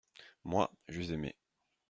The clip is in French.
Moi, j’eus aimé.